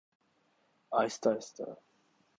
آہستہ آہستہ۔